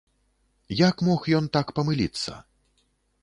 Як мог ён так памыліцца?